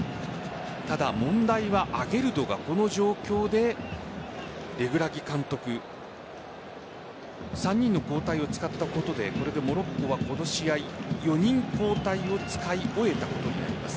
ただ問題はアゲルドがこの状況でレグラギ監督３人の交代を使ったことでこれでモロッコはこの試合４人、交代を使い終えたことになります。